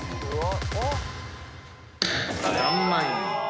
３万円。